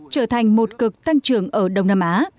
trở thành một cực tăng trưởng ở đông nam á